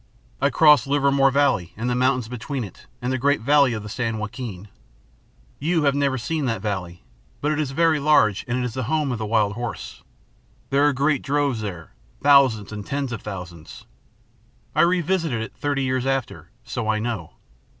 I crossed Livermore Valley and the mountains between it and the great valley of the San Joaquin. You have never seen that valley, but it is very large and it is the home of the wild horse. There are great droves there, thousands and tens of thousands. I revisited it thirty years after, so I know.